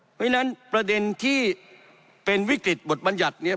เพราะฉะนั้นประเด็นที่เป็นวิกฤตบทบัญญัติเนี่ย